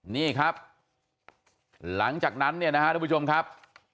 นี่ครับหลังจากนั้นเนี่ยนะครับทุกผู้ชมครับ